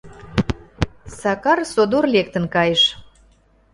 Сакар содор лектын кайыш.